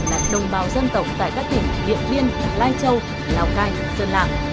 là đồng bào dân tộc tại các tỉnh điện biên lai châu lào cai sơn lạng